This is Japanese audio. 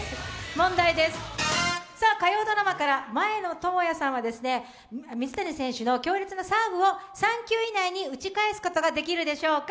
問題です、火曜ドラマから前野朋哉さんは水谷選手の強烈なサーブを３球以内に打ち返すことができるでしょうか？